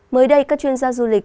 mới đây các chuyên gia du lịch